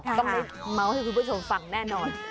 ต้องม้าวให้คุณผู้ชมฟังแน่นอน